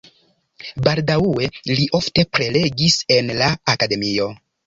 Baldaŭe li ofte prelegis en la akademio.